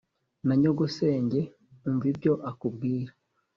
Na nyogosenge, umva ibyo akubwira